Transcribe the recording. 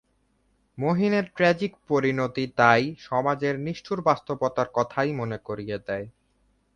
মহীনের tragic পরিণতি তাই সমাজের নিষ্ঠুর বাস্তবতার কথাই মনে করিয়ে দেয়।